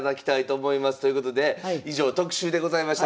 ということで以上特集でございました。